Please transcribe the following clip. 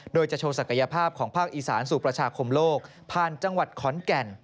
โดยจะโชว์ศักยภาพของภาคอีสานสู่ประชาคมโลกผ่านจังหวัดขอนแก่น